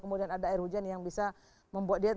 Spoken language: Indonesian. kemudian ada air hujan yang bisa membuat dia